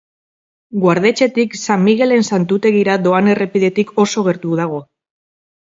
Guardetxetik San Migelen santutegira doan errepidetik oso gertu dago.